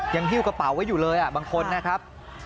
หิ้วกระเป๋าไว้อยู่เลยบางคนนะครับ